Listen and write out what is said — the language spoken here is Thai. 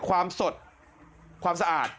ความสดความสะอาด